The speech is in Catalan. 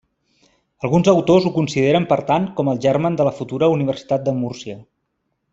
Alguns autors ho consideren per tant com el germen de la futura Universitat de Múrcia.